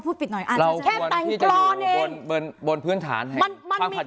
เป็นลัพบาม้าไง